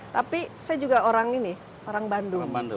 tapi saya juga orang ini orang bandung